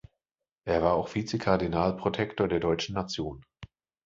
Er war auch Vize-Kardinalprotektor der Deutschen Nation.